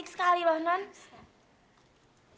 itu nan kalau pake itu pasti nan akan cantik sekali loh nan